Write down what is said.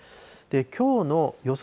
きょうの予想